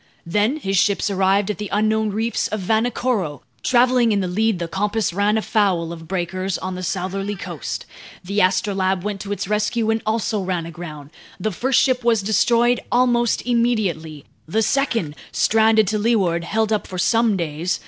Then his ships arrived at the unknown reefs of Vanikoro. Traveling in the lead, the Compass ran afoul of breakers on the southerly coast. The Astrolabe went to its rescue and also ran aground. The first ship was destroyed almost immediately. The second, stranded to leeward, held up for some days.